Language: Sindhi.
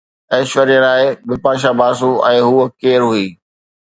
ايشوريا راءِ بپاشا باسو ۽ هوءَ ڪير هئي؟